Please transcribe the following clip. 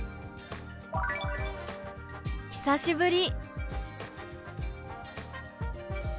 「久しぶり」。